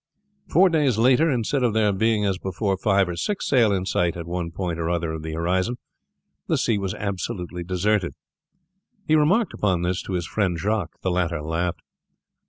Four days later, instead of there being as before five or six sail in sight at one point or other of the horizon, the sea was absolutely deserted. He remarked upon this to his friend Jacques. The latter laughed.